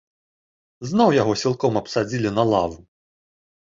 Зноў яго сілком абсадзілі на лаву.